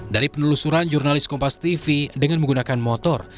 dari penelusuran jurnalis kompas tv dengan menggunakan motor